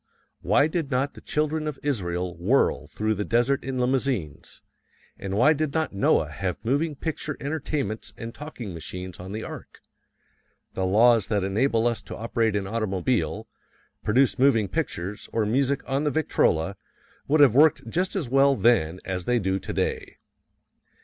Why did not the Children of Israel whirl through the desert in limousines, and why did not Noah have moving picture entertainments and talking machines on the Ark? The laws that enable us to operate an automobile, produce moving pictures, or music on the Victrola, would have worked just as well then as they do today.